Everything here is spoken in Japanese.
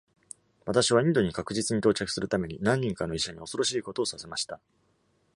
私はインドに確実に到着するために、何人かの医者に恐ろしいことをさせました。